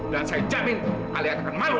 dan saya jamin alia akan malu